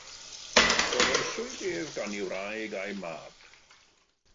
Goroeswyd ef gan ei wraig a'u mab.